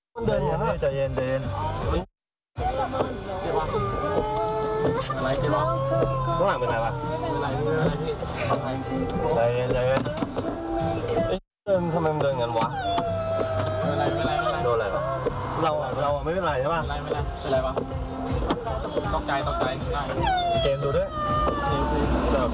สุดท้ายเกิดอุบัติเหตุชนกันแล้วเขาเอาคลิปนี้มาโพสต์เองเลยค่ะแล้วเขาเอาคลิปนี้มาโพสต์เองเลยค่ะ